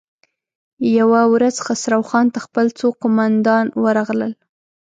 يوه ورځ خسرو خان ته خپل څو قوماندان ورغلل.